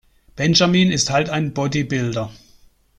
Benjamin ist halt ein Bodybuilder.